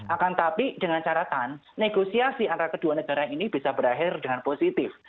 akan tapi dengan caratan negosiasi antara kedua negara ini bisa berakhir dengan positif